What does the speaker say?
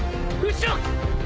後ろ！